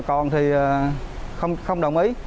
còn thì không đồng ý